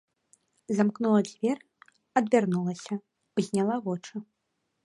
Замкнула дзверы, адвярнулася, узняла вочы.